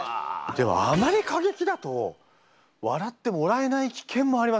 でもあまり過激だと笑ってもらえない危険もありますよね。